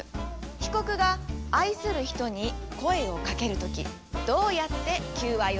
被告が愛する人に声をかける時どうやって求愛をしますか？